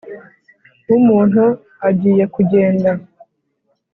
W umuntu agiye kugenda